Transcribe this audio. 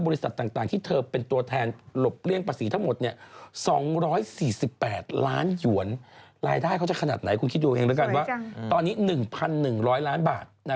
๑ร้อยล้านบาทนะครับ